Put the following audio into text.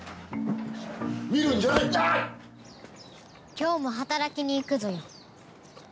今日も働きに行くぞよ。